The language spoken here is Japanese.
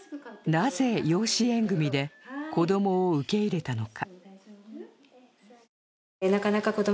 なぜ養子縁組で子供を受け入れたのか？